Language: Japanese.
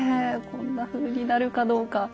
こんなふうになるかどうか。